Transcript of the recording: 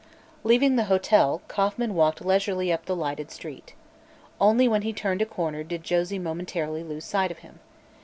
Leaving the hotel, Kauffman walked leisurely up the lighted street. Only when he turned a corner did Josie momentarily lose sight of him.